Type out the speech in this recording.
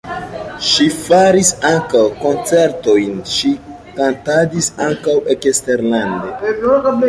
Ŝi faris ankaŭ koncertojn, ŝi kantadis ankaŭ eksterlande.